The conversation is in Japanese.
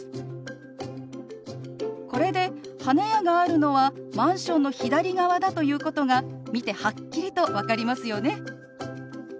これで花屋があるのはマンションの左側だということが見てはっきりと分かりますよね。